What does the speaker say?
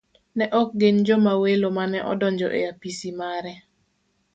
Ne ok gin joma welo mane odonjo e apisi mare.